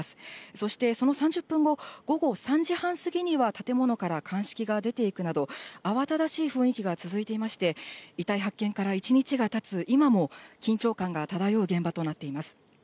そしてその３０分後、午後３時半過ぎには建物から鑑識が出ていくなど、慌ただしい雰囲気が続いていまして、遺体発見から１日がたつ今も、緊張感が漂う現場となっています。